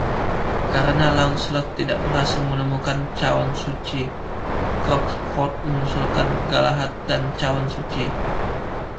Karena Launcelot tidak berhasil menemukan Cawan Suci, Crockford mengusulkan "Galahad dan Cawan Suci".